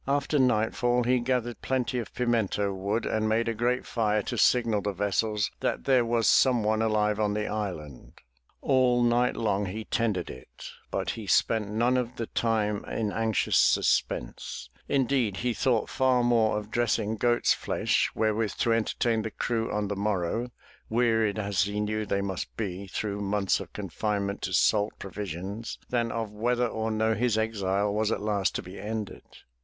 After nightfall he gathered plenty of pimento wood and made a great fire to signal the vessels that there was some one alive on the island. All 350 THE TREASURE CHEST night long he tended it, but he spent none of the time in anxious suspense. Indeed, he thought far more of dressing goat's flesh wherewith to entertain the crew on the morrow, wearied as he knew they must be through months of confinement to salt pro visions, than of whether or no his exile was at last to be ended.